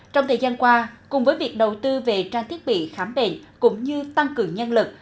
trong thời gian qua cùng với việc đầu tư về trang thiết bị khám bệnh cũng như tăng cường nhân lực